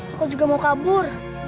aku juga mau kabur